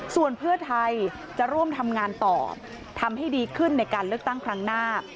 ส่วนเพื่อไทยจะร่วมทำงานต่อทำให้ดีขึ้นในการเลือกตั้งครั้งหน้า